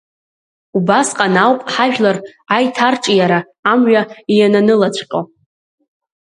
Убасҟан ауп ҳажәлар аиҭарҿиара амҩа иананылаҵәҟьо.